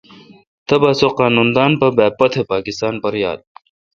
تبا سو قانون دان با پوتھ پاکستان پر یال۔